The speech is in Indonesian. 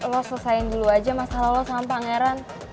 lo selesain dulu aja masalah lo sama pangeran